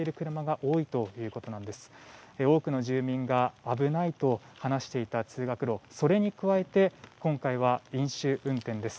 多くの住民が危ないと話していた通学路それに加えて今回は、飲酒運転です。